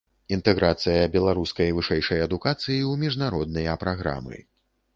Інтэграцыя беларускай вышэйшай адукацыі ў міжнародныя праграмы.